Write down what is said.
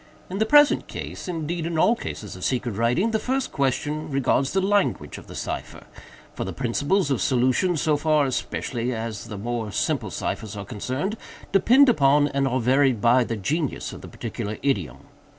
"In the present case—indeed in all cases of secret writing—the first question regards the language of the cipher; for the principles of solution, so far, especially, as the more simple ciphers are concerned, depend upon, and are varied by, the genius of the particular idiom.